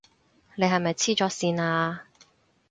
你係咪痴咗線啊？